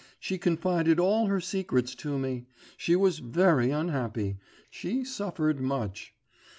She confided all her secrets to me, she was very unhappy, she suffered much.